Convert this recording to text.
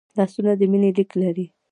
لاسونه د مینې لیک لري